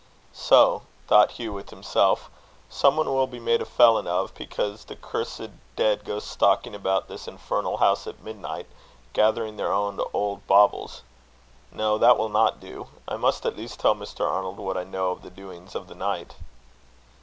"So," thought Hugh with himself, "some one will be made a felon of, because the cursed dead go stalking about this infernal house at midnight, gathering their own old baubles. No, that will not do. I must at least tell Mr. Arnold what I know of the doings of the night."